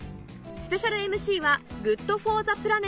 スペシャルＭＣはＧｏｏｄＦｏｒｔｈｅＰｌａｎｅｔ